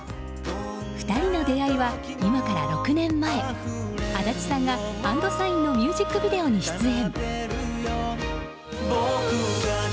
２人の出会いは、今から６年前足立さんがＨＡＮＤＳＩＧＮのミュージックビデオに出演。